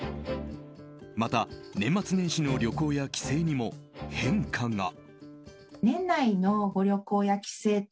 また、年末年始の旅行や帰省にも変化が。